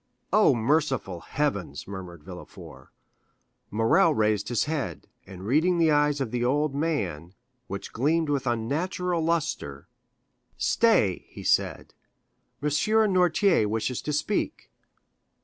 "Oh, merciful Heavens!" murmured Villefort. Morrel raised his head, and reading the eyes of the old man, which gleamed with unnatural lustre,— "Stay," he said, "M. Noirtier wishes to speak."